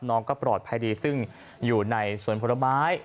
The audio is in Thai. น้องก็ปลอดภัยดีซึ่งอยู่ในสวนผลไม้